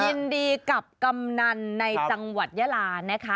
ยินดีกับกำนันในจังหวัดยาลานะคะ